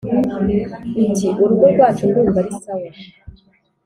uti: «urugo rwacu ndumva ari sawa